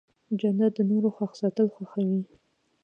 جانداد د نورو خوښ ساتل خوښوي.